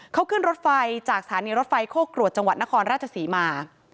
เขาขึ้นรถไฟจากสถานีรถไฟโคกรวดจังหวัดนครราชศรีมา